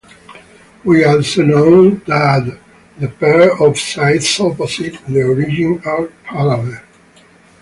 We also know that the pair of sides opposite the origin are parallel.